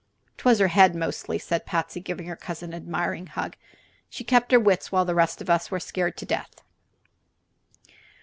"'Twas her head, mostly," said Patsy, giving her cousin an admiring hug; "she kept her wits while the rest of us were scared to death."